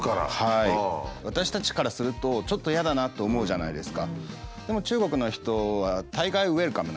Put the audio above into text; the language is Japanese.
私たちからするとちょっと嫌だなと思うじゃないですか。